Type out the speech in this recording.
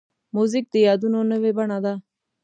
موزیک د یادونو نوې بڼه ده.